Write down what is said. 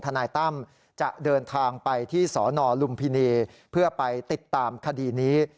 นายตั้มจะเดินทางไปที่สนลุมพินีเพื่อไปติดตามคดีนี้